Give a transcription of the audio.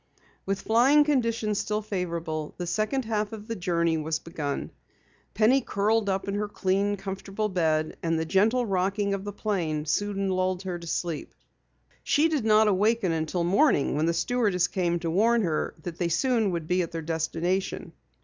With flying conditions still favorable, the second half of the journey was begun. Penny curled up in her clean, comfortable bed, and the gentle rocking of the plane soon lulled her to sleep. She did not awaken until morning when the stewardess came to warn her they soon would be at their destination.